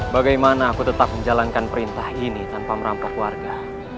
bagaimana aku tetap menjalankan perintah ini tanpa merampok warga